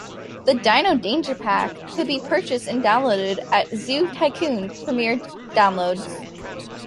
The "Dino Danger Pack" could be purchased and downloaded at "Zoo Tycoon" premium downloads.